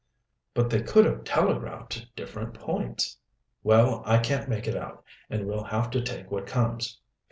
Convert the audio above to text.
"But they could have telegraphed to different points." "Well, I can't make it out, and we'll have to take what comes."